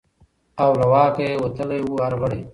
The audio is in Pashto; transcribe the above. او له واکه یې وتلی وو هر غړی